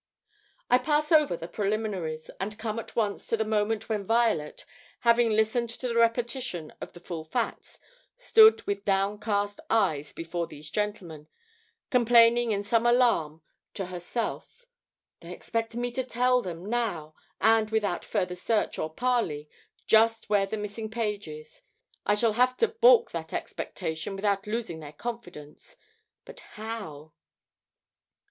I pass over the preliminaries, and come at once to the moment when Violet, having listened to a repetition of the full facts, stood with downcast eyes before these gentlemen, complaining in some alarm to herself: "They expect me to tell them now and without further search or parley just where this missing page is. I shall have to balk that expectation without losing their confidence. But how?"